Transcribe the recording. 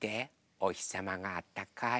おひさまがあったかい。